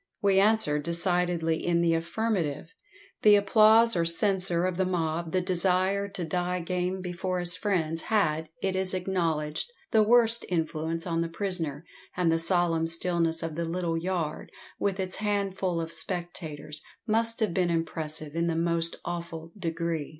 "We answer decidedly in the affirmative. The applause or censure of the mob, the desire to 'die game' before his friends, had, it is acknowledged, the worst influence on the prisoner, and the solemn stillness of the little yard, with its handful of spectators, must have been impressive in the most awful degree."